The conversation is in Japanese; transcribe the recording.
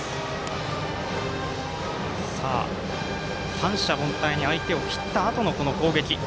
三者凡退で相手を切ったあとの攻撃。